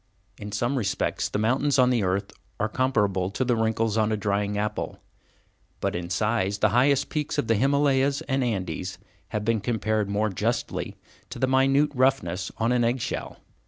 In some respects the mountains on the earth are comparable to the wrinkles on a drying apple, but in size, the highest peaks of the Himalayas and Andes have been compared more justly to the minute roughness on an egg shell.